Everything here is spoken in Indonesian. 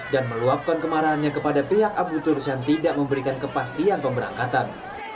meluapkan kemarahannya kepada pihak abu turs yang tidak memberikan kepastian pemberangkatan